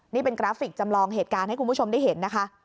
นี่เป็นกราฟิกจำลองเหตุการณ์ให้คุณผู้ชมได้เห็นนะคะ